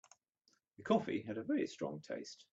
The coffee had a very strong taste.